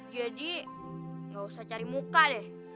jadi gak usah cari muka deh